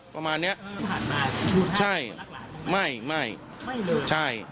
ประมาณนี้ใช่ไม่ไม่ใช่